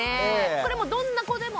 これもうどんな子でも。